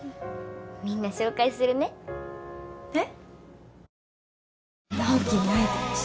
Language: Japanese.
みんな紹介するねえっ？